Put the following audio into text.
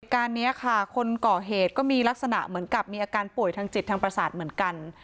การนี้ค่ะคนก่อเหตุก็มีลักษณะเหมือนกับมีอาการป่วยทางจิตทางประสาทเหมือนกัน